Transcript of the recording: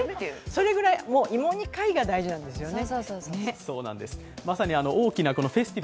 それくらい「芋煮会」が大事なんですよね。